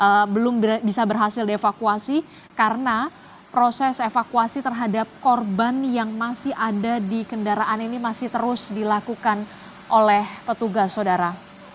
apakah belum bisa berhasil dievakuasi karena proses evakuasi terhadap korban yang masih ada di kendaraan ini masih terus dilakukan oleh petugas saudara